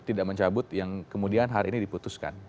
tidak mencabut yang kemudian hari ini diputuskan